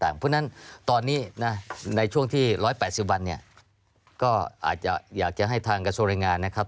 เพราะฉะนั้นตอนนี้ในช่วงที่๑๘๐วันก็อาจจะอยากจะให้ทางกระโสรายงานนะครับ